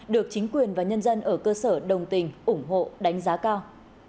được chính quyền và nhân dân ở cơ sở đồng tình ủng hộ đánh giá cao